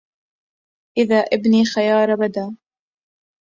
إذا ابن خيار بدا